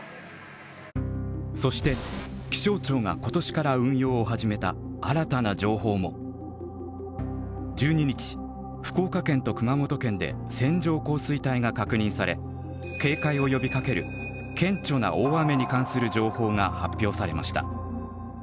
そして気象庁が今年から運用を始めた１２日福岡県と熊本県で線状降水帯が確認され警戒を呼びかける「顕著な大雨に関する情報」が発表されました。